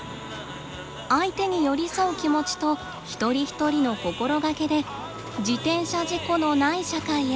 相手に寄り添う気持ちと一人一人の心がけで自転車事故のない社会へ。